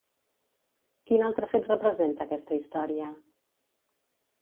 Quin altre fet representa aquesta història?